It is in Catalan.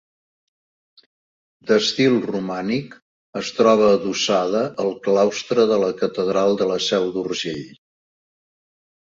D'estil romànic, es troba adossada al claustre de la Catedral de la Seu d'Urgell.